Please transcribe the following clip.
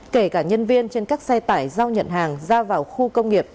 kể cả nhân viên trên các xe tải giao nhận hàng ra vào khu công nghiệp